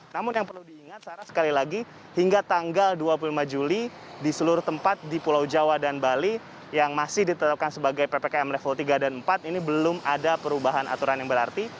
namun yang perlu diingat sarah sekali lagi hingga tanggal dua puluh lima juli di seluruh tempat di pulau jawa dan bali yang masih ditetapkan sebagai ppkm level tiga dan empat ini belum ada perubahan aturan yang berarti